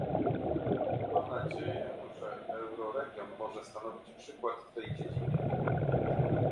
Mam nadzieję, że euroregion może stanowić przykład w tej dziedzinie